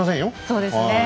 そうですねはい。